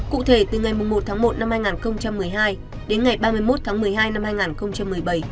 cụ thể từ ngày một tháng một năm hai nghìn một mươi hai đến ngày ba mươi một tháng một mươi hai năm hai nghìn một mươi bảy